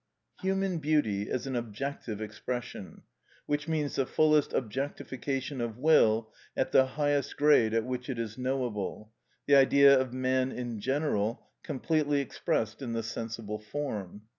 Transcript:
Human beauty is an objective expression, which means the fullest objectification of will at the highest grade at which it is knowable, the Idea of man in general, completely expressed in the sensible form.